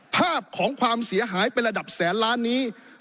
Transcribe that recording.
ภาพของความเสียหายเป็นระดับแสนล้านนี้